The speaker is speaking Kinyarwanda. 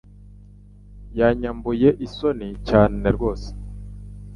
Yanyambuye isoni cyane rwose